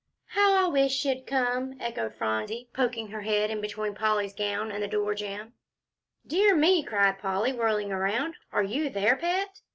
"How I wish she'd come!" echoed Phronsie, poking her head in between Polly's gown and the door jamb. "Dear me," cried Polly, whirling around, "are you there, Pet?